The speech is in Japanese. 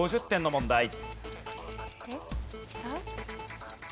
１００点の問題。